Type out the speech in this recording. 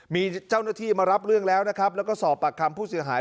มีเจ้าหน้าที่มารับเรื่องแล้วนะครับแล้วก็สอบปากคำผู้เสียหาย